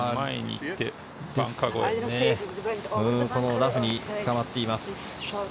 ラフにつかまっています。